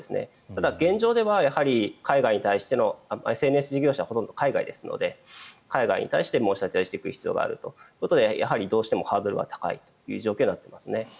ただ、現状では海外に対しての。ＳＮＳ事業者はほとんど海外ですので海外に対して申し立てをする必要があってやはりどうしてもハードルは高い条件だと思いますね。